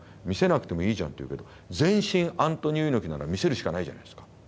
見せなくてもいいじゃんと言うけど全身アントニオ猪木なら見せるしかないじゃないですか。